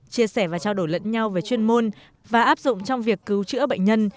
chia sẻ và trao đổi lẫn nhau về chuyên môn và áp dụng trong việc cứu chữa bệnh nhân